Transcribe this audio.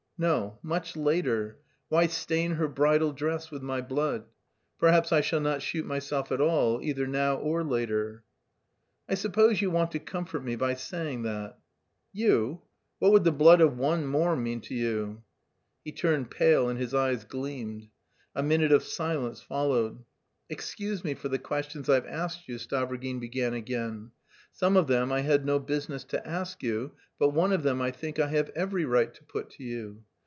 "No, much later. Why stain her bridal dress with my blood? Perhaps I shall not shoot myself at all, either now or later." "I suppose you want to comfort me by saying that?" "You? What would the blood of one more mean to you?" He turned pale and his eyes gleamed. A minute of silence followed. "Excuse me for the questions I've asked you," Stavrogin began again; "some of them I had no business to ask you, but one of them I think I have every right to put to you.